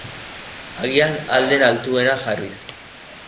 Agian ahal den altuena jarriz.